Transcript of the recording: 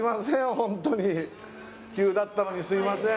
ホントに急だったのにすいません